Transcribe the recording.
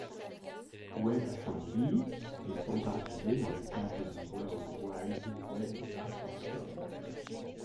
WebAssembly est standardisé dans le cadre du World Wide Web Consortium.